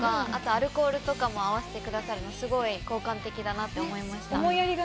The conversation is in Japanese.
アルコールとかもあわせて下さって、すごい好感的だなって思いました。